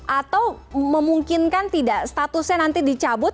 atau memungkinkan tidak statusnya nanti dicabut